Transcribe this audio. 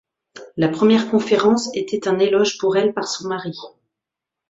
La première conférence était un éloge pour elle par son mari.